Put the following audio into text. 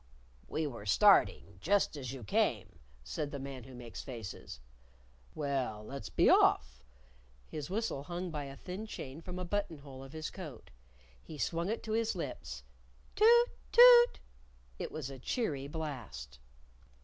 "We were starting just as you came," said the Man Who Makes Faces. "Well, let's be off!" His whistle hung by a thin chain from a button hole of his coat. He swung it to his lips, Toot! Toot! It was a cheery blast.